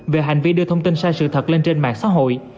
về hành vi đưa thông tin sai sự thật lên trên mạng xã hội